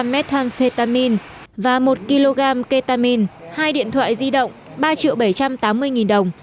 methamphetamine và một kg ketamine hai điện thoại di động ba triệu bảy trăm tám mươi nghìn đồng